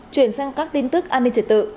chuyển sang các tin tức an ninh trẻ tự